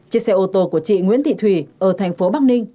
chiếc xe ô tô của chị nguyễn thị thủy ở thành phố bắc ninh